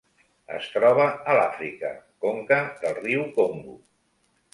Es troba a Àfrica: conca del riu Congo.